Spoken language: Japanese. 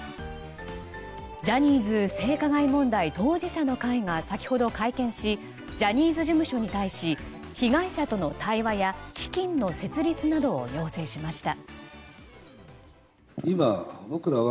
ジャニーズ性加害問題当事者の会が先ほど会見しジャニーズ事務所に対し被害者との対話や基金の設立などを要請しました。